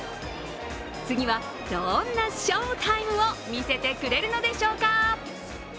次は、どんな翔タイムを見せてくれるのでしょうか。